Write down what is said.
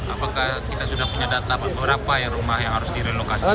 apakah kita sudah punya data berapa rumah yang harus direlokasi